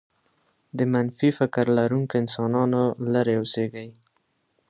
د منفي فكر لرونکو انسانانو لرې اوسېږئ.